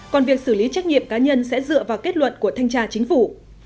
còn việc xử lý trách nhiệm cá nhân sẽ dựa vào kết luận của thanh tra chính phủ